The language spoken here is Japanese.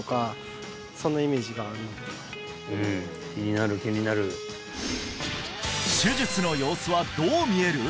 うん気になる気になる手術の様子はどう見える？